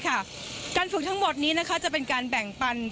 การฝึกทั้งหมดนี้จะเป็นการแบ่งปัน